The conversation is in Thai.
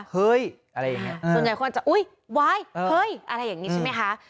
เฮ้ยอะไรอย่างนี้ส่วนใหญ่คนจะอุ๊ยวายเฮ้ยอะไรอย่างนี้ใช่ไหมคะ